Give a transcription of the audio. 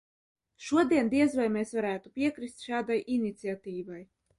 Šodien diez vai mēs varētu piekrist šādai iniciatīvai.